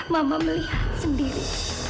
mama melihat sendiri